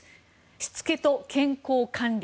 しつけと健康管理。